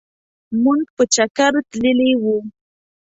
مونږ په چکرتللي وو.